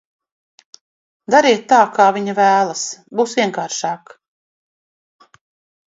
Dariet tā, kā viņa vēlas, būs vienkāršāk.